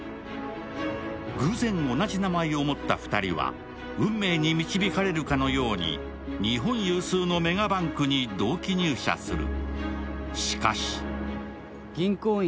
偶然同じ名前を持った２人は運命に導かれるかのように日本有数のメガバンクに同期入社する。